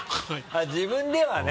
自分ではね？